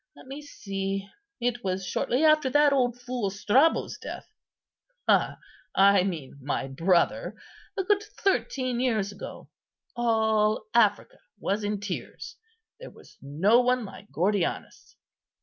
Let me see, it was shortly after that old fool Strabo's death—I mean my brother; a good thirteen years ago. All Africa was in tears; there was no one like Gordianus."